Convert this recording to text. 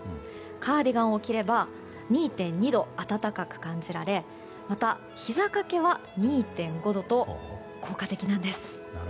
カーディガンを着れば２．２度暖かく感じられまた、ひざ掛けは２．５度と効果的なんです。